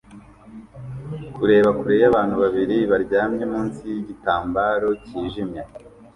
kureba kure yabantu babiri baryamye munsi yigitambaro cyijimye